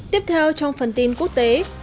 tiếp theo trong phần tin quốc tế